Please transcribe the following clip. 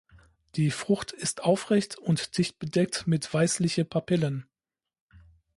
Die Frucht ist aufrecht und dicht bedeckt mit weißliche Papillen.